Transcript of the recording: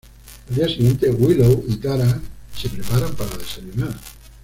Al día siguiente, Willow y Tara se preparan para desayunar.